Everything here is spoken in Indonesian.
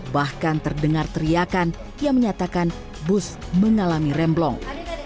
bahkan terdengar teriakan yang menyatakan bus mengalami remblong